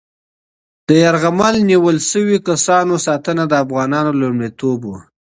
د یرغمل نیول شوي کسانو ساتنه د افغانانو لومړیتوب و.